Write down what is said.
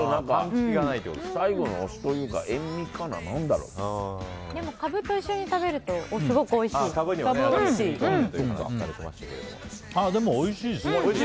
最後のお酢というかでも、カブと一緒に食べるとでも、おいしいです。